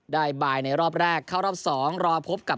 บายในรอบแรกเข้ารอบ๒รอพบกับ